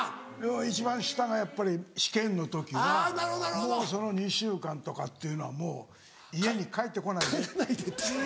一番下がやっぱり試験の時はもうその２週間とかっていうのはもう「家に帰って来ないで」。